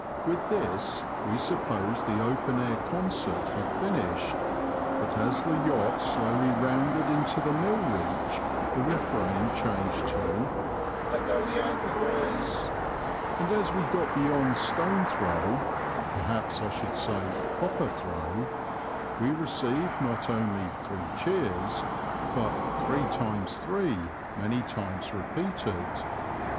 " With this we supposed the open air concert had finished, but as the yacht slowly rounded into the mill reach the refrain changed to —" Let go the anchor, boys," and as we got beyond stone throw — perhaps I should say copper throw — we received not only three cheers, but three times three " many times repeated.